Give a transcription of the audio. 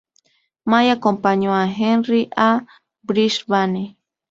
May acompañó a Henry a Brisbane.